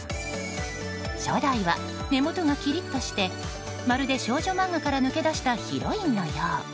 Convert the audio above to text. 初代は目元がきりっとしてまるで少女漫画から抜け出したヒロインのよう。